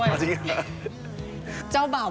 เมื่อวานเราเจอกันไปแล้ว